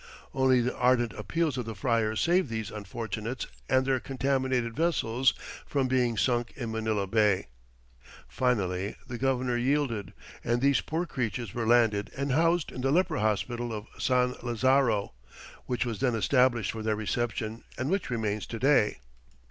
Only the ardent appeals of the friars saved these unfortunates and their contaminated vessels from being sunk in Manila Bay. Finally the governor yielded, and these poor creatures were landed and housed in the leper hospital of San Lazaro, which was then established for their reception and which remains to day.